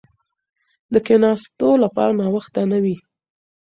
د کښېناستو لپاره ناوخته نه وي.